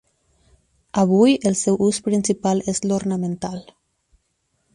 Avui el seu ús principal és l'ornamental.